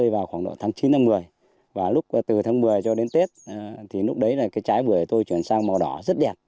là khoảng độ tháng chín một mươi và lúc từ tháng một mươi cho đến tết thì lúc đấy là cái trái bưởi tôi chuyển sang màu đỏ rất đẹp